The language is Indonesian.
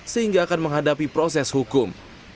sehingga akan menghadapi proses hukum